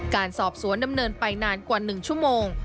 การสอบสวนดำเนินไปนานกว่า๑ชั่วโมง